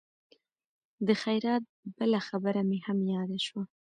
د خیرات بله خبره مې هم یاده شوه.